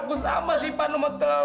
aku sama sih bang ipan mau telan